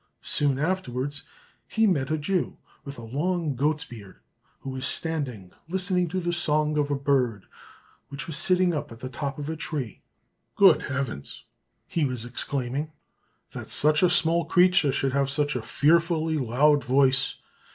Soon afterwards he met a Jew with a long goat's beard, who was standing listening to the song of a bird which was sitting up at the top of a tree. "Good heavens," he was exclaiming, "that such a small creature should have such a fearfully loud voice!